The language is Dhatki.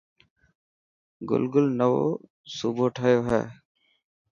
گلگل نوو صوبو ٺهيو هي.